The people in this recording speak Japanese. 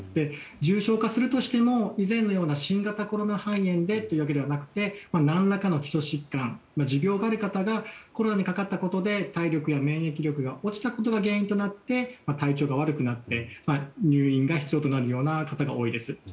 重症化するとしても以前のような新型コロナ肺炎ではなくて何らかの基礎疾患持病がある方がコロナにかかったことで体力や免疫力が落ちたことが原因となって体調が悪くなって入院が必要となる方が多いです。